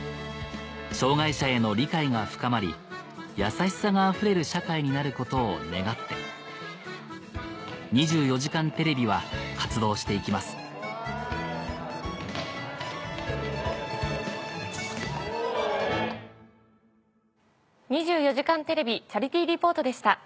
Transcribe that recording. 障がい者への理解が深まり優しさがあふれる社会になることを願って『２４時間テレビ』は活動して行きます「２４時間テレビチャリティー・リポート」でした。